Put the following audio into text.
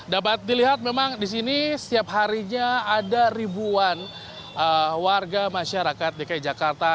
dapat dilihat memang di sini setiap harinya ada ribuan warga masyarakat dki jakarta